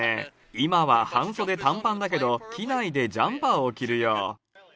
今は半袖、短パンだけど、機内でジャンパーを着るよ。